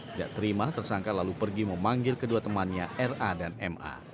tidak terima tersangka lalu pergi memanggil kedua temannya ra dan ma